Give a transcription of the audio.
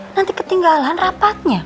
nanti ketinggalan rapatnya